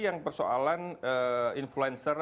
yang persoalan influencer